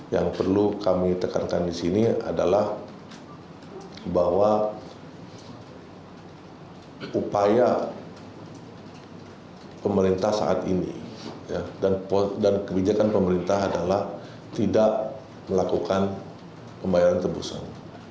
yang perlu kami tekankan di sini adalah bahwa upaya pemerintah saat ini dan kebijakan pemerintah adalah tidak melakukan pembayaran tebusan